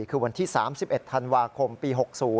คือวันที่๓๑ธันวาคมปี๖๐